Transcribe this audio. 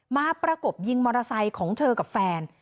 ประกบยิงมอเตอร์ไซค์ของเธอกับแฟน